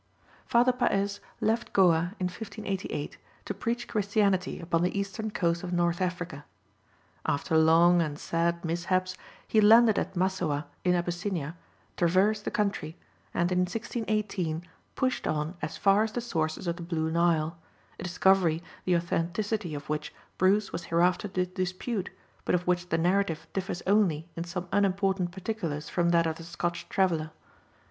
Father Paez left Goa in 1588 to preach Christianity upon the eastern coast of North Africa. After long and sad mishaps, he landed at Massowah in Abyssinia, traversed the country, and in 1618 pushed on as far as the sources of the Blue Nile, a discovery the authenticity of which Bruce was hereafter to dispute, but of which the narrative differs only in some unimportant particulars from that of the Scotch traveller.